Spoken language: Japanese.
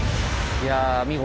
いや見事。